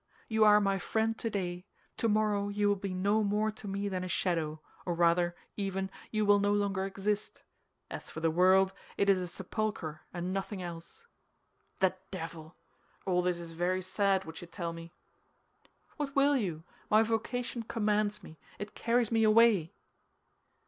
You are my friend today; tomorrow you will be no more to me than a shadow, or rather, even, you will no longer exist. As for the world, it is a sepulcher and nothing else." "The devil! All this is very sad which you tell me." "What will you? My vocation commands me; it carries me away."